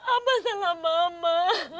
apa salah mama